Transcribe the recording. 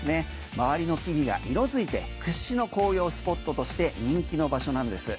周りの木々が色づいて屈指の紅葉スポットとして人気の場所なんです。